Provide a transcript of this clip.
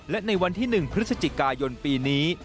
และในวันที่๑พฤศจิกายนปีนี้